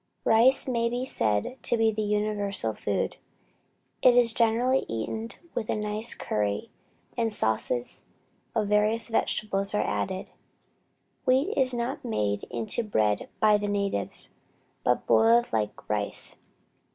Rice may be said to be the universal food. It is generally eaten with a nice curry, and sauces of various vegetables are added. Wheat is not made into bread by the natives, but boiled like rice.